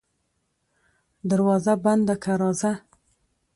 دروازه بنده که راځه.